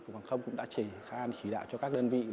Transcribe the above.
cục hàng không cũng đã chỉ đạo cho các đơn vị